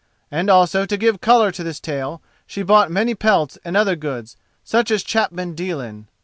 And also to give colour to this tale she bought many pelts and other goods, such as chapmen deal in.